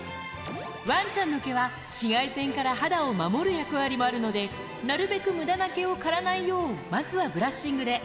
わんちゃんの毛は、紫外線から肌を守る役割もあるので、なるべくむだな毛を刈らないよう、まずはブラッシングで。